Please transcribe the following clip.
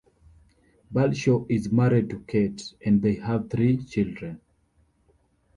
Balshaw is married to Kate and they have three children.